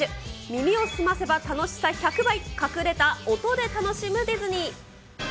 耳を澄ませば楽しさ１００倍、隠れた音で楽しむディズニー。